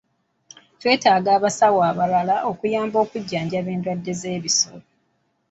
Twetaaga abasawo abalala okuyamba okujjanjaba endwadde z'ebisolo.